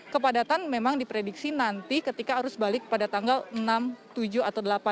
kepadatan memang diprediksi nanti ketika arus balik pada tanggal enam tujuh atau delapan